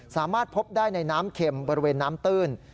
สามารถพบได้ในน้ำเข็มบริเวณน้ำตื้น